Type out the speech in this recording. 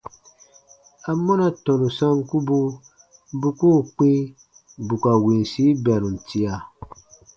Amɔna tɔnu sankubu bu koo kpĩ bù ka winsi bɛrum tia?